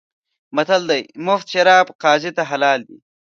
متل دی: مفت شراب قاضي ته حلال دي.